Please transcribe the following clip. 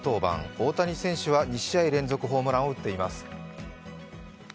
大谷選手は２試合連続ホームランを打っています。